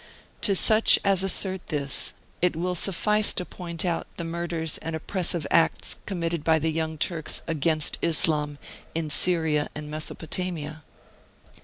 To such as assert this it will suffice to point out the murders and oppressive acts committed by the Martyred Armenia 53 Young Turks against Islam in Syria and Mesopo tamia.